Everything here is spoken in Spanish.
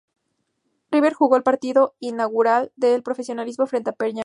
River jugó el partido inaugural del profesionalismo, frente a Peñarol.